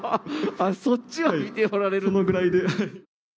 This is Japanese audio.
そのぐらいで。